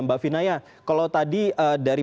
mbak vinaya kalau tadi dari